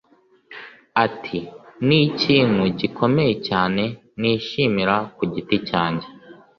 Ati “Ni ikintu gikomeye cyane nishimira ku giti cyanjye